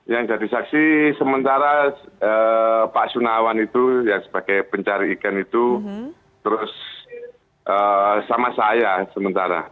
yang jadi saksi sementara pak sunawan itu yang sebagai pencari ikan itu terus sama saya sementara